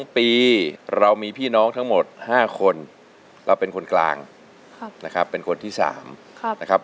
ปีเรามีพี่น้องทั้งหมด๕คนเราเป็นคนกลางนะครับเป็นคนที่๓นะครับ